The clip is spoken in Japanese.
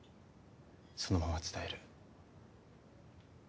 そのまま伝える。